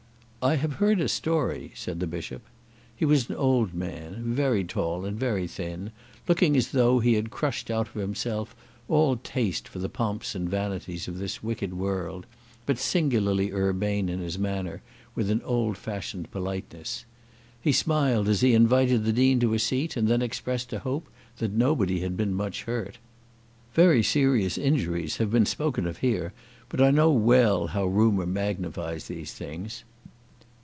"I have heard a story," said the Bishop. He was an old man, very tall and very thin, looking as though he had crushed out of himself all taste for the pomps and vanities of this wicked world, but singularly urbane in his manner, with an old fashioned politeness. He smiled as he invited the Dean to a seat, and then expressed a hope that nobody had been much hurt. "Very serious injuries have been spoken of here, but I know well how rumour magnifies these things."